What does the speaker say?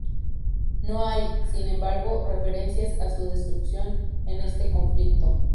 No hay, sin embargo, referencias a su destrucción en este conflicto.